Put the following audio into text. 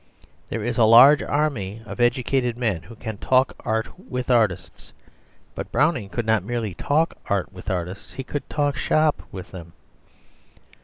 There is a large army of educated men who can talk art with artists; but Browning could not merely talk art with artists he could talk shop with them.